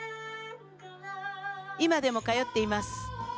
今でも通っています。